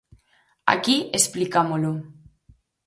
Aquí explicámolo.